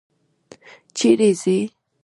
چیري ځې؟